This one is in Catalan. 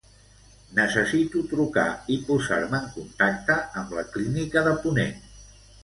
Necessito trucar i posar-me en contacte amb la Clínica de Ponent.